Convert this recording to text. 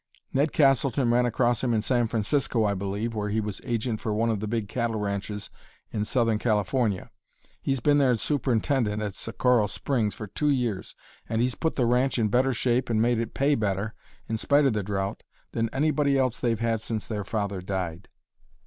Ned Castleton ran across him in San Francisco, I believe, where he was agent for one of the big cattle ranches in southern California. He's been their superintendent at Socorro Springs for two years, and he's put the ranch in better shape and made it pay better, in spite of the drought, than anybody else they've had since their father died."